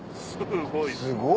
すごい。